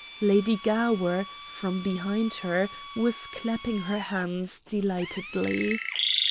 Lady Gower, from behind her, was clapping her hands delightedly.